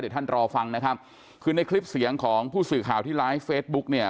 เดี๋ยวท่านรอฟังนะครับคือในคลิปเสียงของผู้สื่อข่าวที่ไลฟ์เฟซบุ๊กเนี่ย